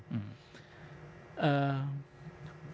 penyakit kita akan menurun